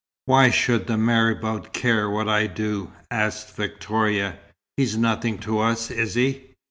"Why should the marabout care what I do?" asked Victoria. "He's nothing to us, is he?